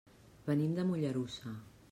Venim de Mollerussa.